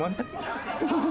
ハハハハ！